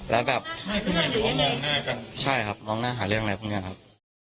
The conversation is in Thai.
แล้วแบบใช่ครับมองหน้าหาเรื่องอะไรพรุ่งนี้ครับ